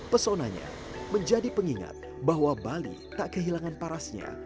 pesonanya menjadi pengingat bahwa bali tak kehilangan parasnya